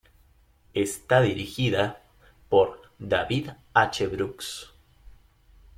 Está dirigida por "David H. Brooks".